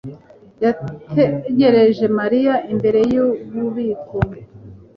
yategereje Mariya imbere yububiko.